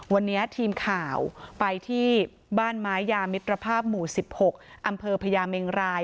วันนี้ทีมข่าวไปที่บ้านไม้ยามิตรภาพหมู่๑๖อำเภอพญาเมงราย